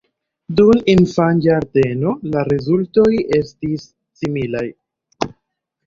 Dum infanĝardeno la rezultoj estis similaj.